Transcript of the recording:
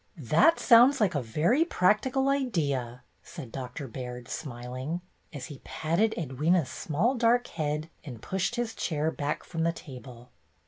"That sounds like a very practical idea," said Doctor Baird, smiling, as he patted Edwyna's small dark head and pushed his chair back from the table.